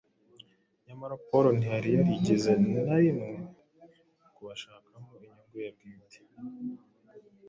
nyamara Pawulo ntiyari yarigeze na rimwe kubashakamo inyungu ye bwite.